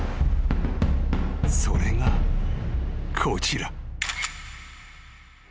［それがこちら］